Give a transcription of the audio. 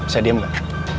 bisa diam gak